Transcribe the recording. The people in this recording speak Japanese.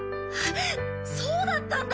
そうだったんだ！